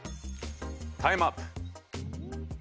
タイムアップ。